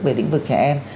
về lĩnh vực trẻ em